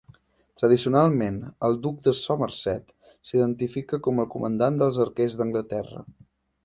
Tradicionalment, el duc de Somerset s'identifica com el comandant dels arquers d'Anglaterra.